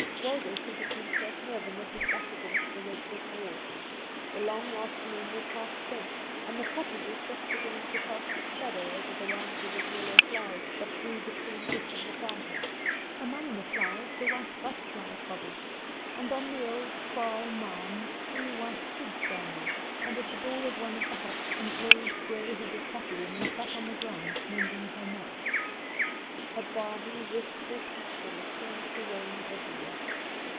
Waldo seated himself near them with his back against the red brick wall. The long afternoon was half spent, and the kopje was just beginning to cast its shadow over the round headed yellow flowers that grew between it and the farmhouse. Among the flowers the white butterflies hovered and on the old kraal mounds three white kids gambolled, and at the door of one of the huts an old grey headed Kaffer woman sat on the ground mending her mats. A balmy, restful peacefulness seemed to reign everywhere.